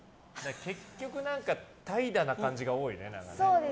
結局、怠惰な感じが多いね。